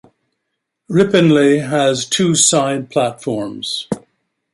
Ripponlea has two side platforms.